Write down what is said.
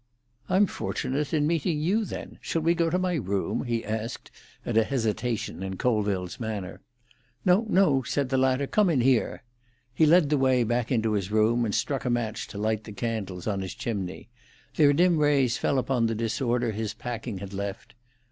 "I'm fortunate in meeting you, then. Shall we go to my room?" he asked, at a hesitation in Colville's manner. "No, no," said the latter; "come in here." He led the way back into his room, and struck a match to light the candles on his chimney. Their dim rays fell upon the disorder his packing had left.